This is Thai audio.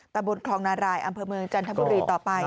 บนคลองนารายอำเภอเมืองจันทบุรีต่อไป